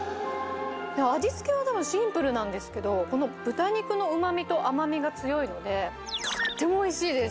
味付けはたぶんシンプルなんですけど、この豚肉のうまみと甘みが強いので、とってもおいしいです。